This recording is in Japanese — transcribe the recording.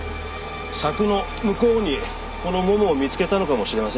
柵の向こうにこのモモを見つけたのかもしれませんね。